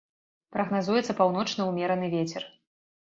Прагназуецца паўночны ўмераны вецер.